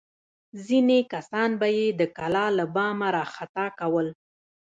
ځینې کسان به یې د کلا له بامه راخطا کول.